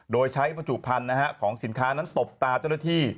โดยใช้บรรจุพันธุ์ของสินค้านั้นตบตาเจ้าหน้าที่